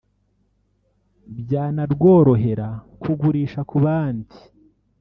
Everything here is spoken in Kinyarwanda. byanarworohera kugurisha ku bandi